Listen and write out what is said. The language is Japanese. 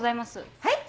はい？